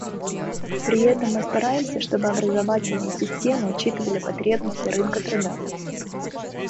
При этом мы стараемся, чтобы образовательные системы учитывали потребности рынка труда.